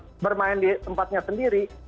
mendapatkan kesempatan bermain di tempatnya sendiri